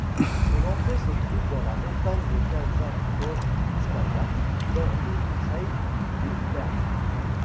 Son entrée se trouve dans la montagne de Kazakovskaya, dans le Kraï de Perm.